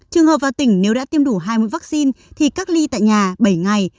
trường hợp vào tỉnh nếu đã tiêm đủ hai mươi vaccine thì cách ly tại nhà bảy ngày